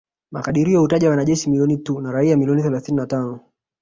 Makadirio hutaja wanajeshi milioni tu na raia milioni thelathini na tano